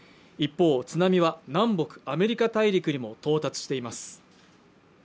一方、津波は南北アメリカ大陸にも到達しています。